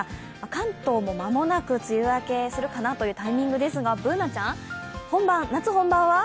関東も間もなく梅雨明けするかなというタイミングですがＢｏｏｎａちゃん夏本番は？